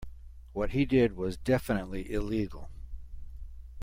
What he did was definitively illegal.